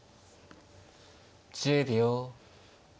１０秒。